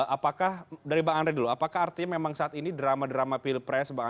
apakah dari bang andre dulu apakah artinya memang saat ini drama drama pilpres